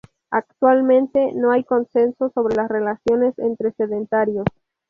Actualmente no hay consenso sobre las relaciones entre sedentarios.